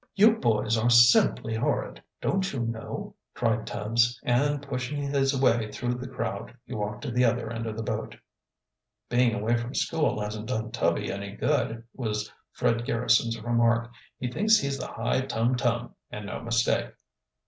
"You boys are simply horrid, don't you know!" cried Tubbs, and, pushing his way through the crowd, he walked to the other end of the boat. "Being away from school hasn't done Tubby any good," was Fred Garrison's remark. "He thinks he's the High Tum Tum, and no mistake."